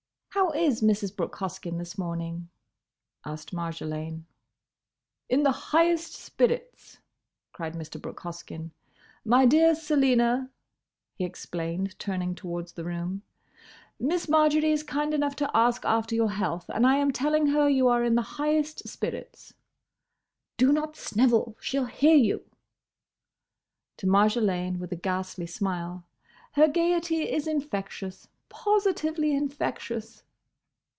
"How is Mrs. Brooke Hoskyn this morning?" asked Marjolaine. "In the highest spirits!" cried Mr. Brooke Hoskyn. "My dear Selina," he explained, turning towards the room, "Miss Marjory is kind enough to ask after your health, and I am telling her you are in the highest spirits. Do—not—snivel—she 'll hear you!" To Marjolaine, with a ghastly smile, "Her gaiety is infectious; positively infectious!"